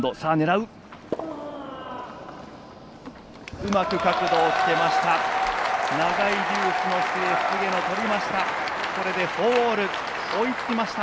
うまく角度をつけました。